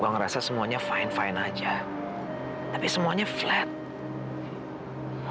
gue ngerasa semuanya baik baik saja tapi semuanya sempurna